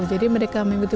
jadi mereka mengikuti